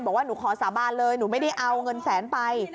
บอกว่าหนูขอสาบานเลยหนูไม่ได้เอาเงินแสนไป